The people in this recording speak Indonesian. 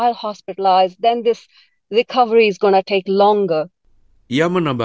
didasarkan pada kewajiban mereka